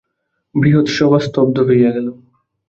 বৃহৎ সভা স্তব্ধ হইয়া গেল।